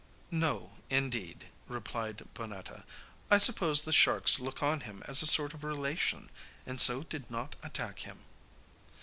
'No, indeed,' replied Bonnetta. 'I suppose the sharks look on him as a sort of relation, and so did not attack him.